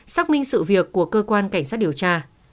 xác minh sự việc của cơ quan cảnh sát điều tra